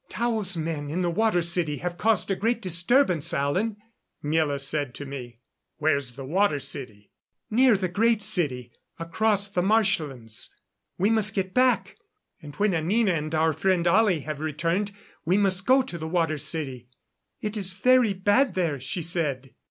"Tao's men in the Water City have caused great disturbance, Alan," Miela said to me. "Where's the Water City?" "Near the Great City across the marshlands. We must get back. And when Anina and our friend Ollie have returned we must go to the Water City. It is very bad there, she said."